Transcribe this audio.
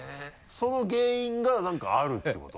その原因がなんかあるってこと？